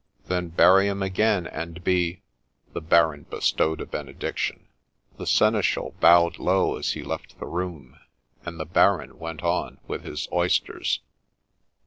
' Then bury him again, and be !' The Baron bestowed a benediction. The seneschal bowed low as he left the room, and the Baron went on with his oysters.